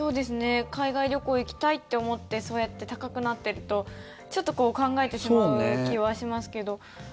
海外旅行行きたいって思ってそうやって高くなってるとちょっと考えてしまう気はしますけど。